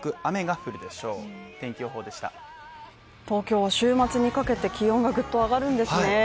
東京は週末にかけて気温がぐっと上がるんですね。